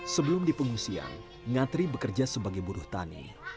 sebelum dipengusian ngatri bekerja sebagai buruh tani